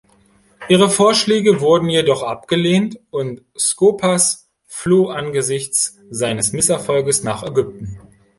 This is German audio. Ihre Vorschläge wurden jedoch abgelehnt, und Skopas floh angesichts seines Misserfolgs nach Ägypten.